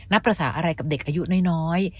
ภาษาอะไรกับเด็กอายุน้อย